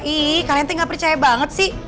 ih kalian tuh gak percaya banget sih